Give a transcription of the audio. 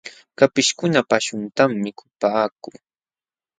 Kapishkuna paśhuntam mikupaakun.